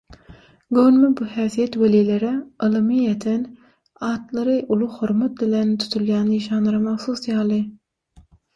Göwnüme bu häsiýet welilere, ylymy ýeten, atlary uly hormat bilen tutulýan işanlara mahsus ýaly.